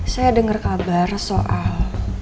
saya dengar kabar soal